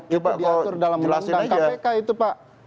itu diatur dalam undang undang kpk itu pak